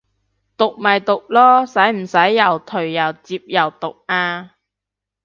毒咪毒囉，使唔使又頹又摺又毒啊